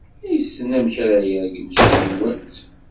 Yessen amek ara yergem s tcinwat.